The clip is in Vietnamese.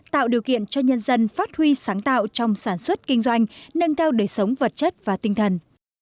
tạo điều kiện cho nhân dân phát huy sáng tạo trong sản xuất kinh doanh nâng cao đời sống vật chất và tinh thần